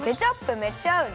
めっちゃあうね！